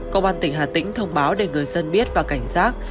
công an tỉnh hà tĩnh thông báo để người dân biết và cảnh giác